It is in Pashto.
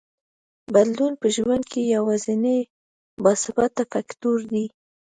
بدلون په ژوند کې یوازینی باثباته فکټور دی.